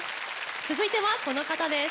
続いてはこの方です。